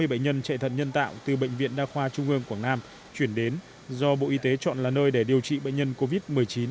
hai mươi bệnh nhân chạy thận nhân tạo từ bệnh viện đa khoa trung ương quảng nam chuyển đến do bộ y tế chọn là nơi để điều trị bệnh nhân covid một mươi chín